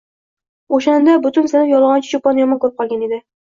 O‘shanda butun sinf yolg‘onchi cho‘ponni yomon ko‘rib qolgan edi